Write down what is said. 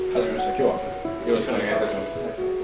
今日はよろしくお願いいたします。